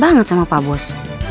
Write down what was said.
berhasil kita sikap aneh